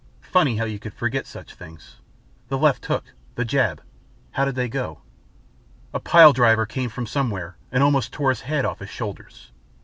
Funny how you could forget such things. The left hook that jab how did they go? A pile driver came from somewhere and almost tore his head off his shoulders